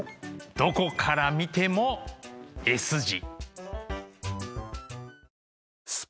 どこから見てもＳ字。